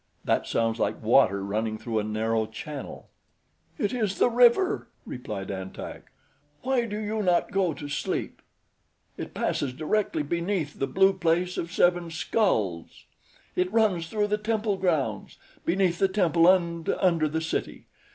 "That sounds like water running through a narrow channel." "It is the river," replied An Tak. "Why do you not go to sleep? It passes directly beneath the Blue Place of Seven Skulls. It runs through the temple grounds, beneath the temple and under the city.